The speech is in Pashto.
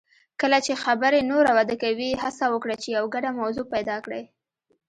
کله چې خبرې نوره وده کوي، هڅه وکړئ چې یو ګډه موضوع پیدا کړئ.